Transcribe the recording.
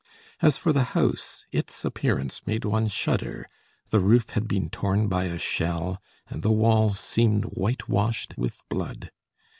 As for the house, its appearance made one shudder; the roof had been torn by a shell, and the walls seemed whitewashed with blood.